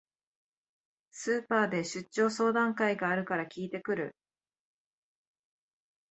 スーパーで出張相談会があるから聞いてくる